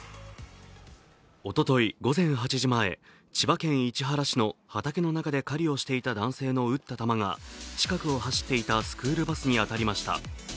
おととい午前８時前、千葉県市原市の畑の中で狩りをしていた男性の撃った弾が、近くを走っていたスクールバスに当たりました。